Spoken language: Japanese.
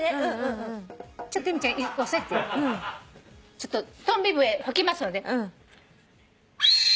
ちょっとトンビ笛吹きますので。